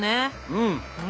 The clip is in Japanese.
うん。